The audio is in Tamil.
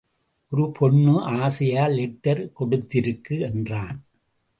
ஒரு பொண்ணு ஆசையா லெட்டர் கொடுத்திருக்கு என்றான்.